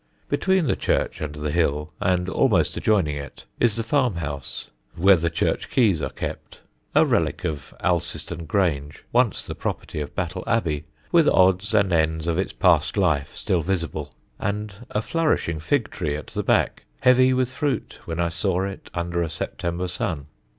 Between the church and the hill, and almost adjoining it, is the farmhouse, where the church keys are kept a relic of Alciston Grange (once the property of Battle Abbey) with odds and ends of its past life still visible, and a flourishing fig tree at the back, heavy with fruit when I saw it under a September sun.